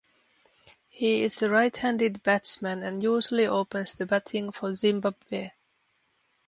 He is a right-handed batsman and usually opens the batting for Zimbabwe.